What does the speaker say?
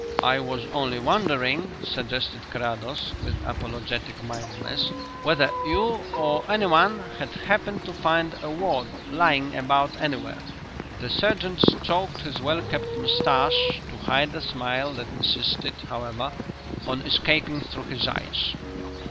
"I was only wondering," suggested Carrados, with apologetic mildness, "whether you, or anyone, had happened to find a wad lying about anywhere." The sergeant stroked his well kept moustache to hide the smile that insisted, however, on escaping through his eyes.